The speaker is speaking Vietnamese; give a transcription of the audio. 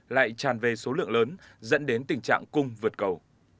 lại tràn về số lượng lớn dẫn đến tình trạng cung vượt cầu